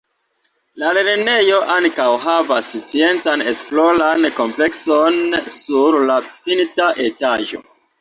La lernejo ankaŭ havas Sciencan Esploran Komplekson sur la pinta etaĝo.